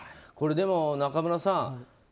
これ、でも中村さん。